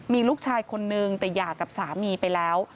มีลูกชายคนนึงแต่หย่ากับสามีไปแล้ว